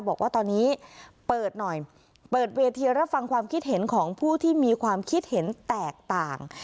บอกว่าตอนนี้เปิดหน่อยเปิดเวทีรับฟังความคิดเห็นของผู้ที่มีความคิดเห็นแตกต่าง